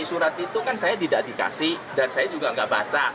surat itu kan saya tidak dikasih dan saya juga nggak baca